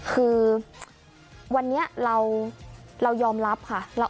คือวันนี้เรายอมรับค่ะ